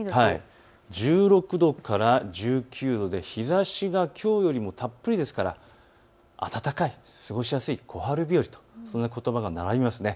１６度から１９度で日ざしがきょうよりもたっぷりですから暖かい、過ごしやすい小春日和とそんなことばが並びます。